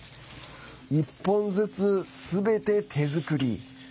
１本ずつ、すべて手作り。